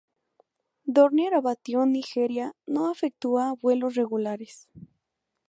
Dornier Aviation Nigeria no efectúa vuelos regulares.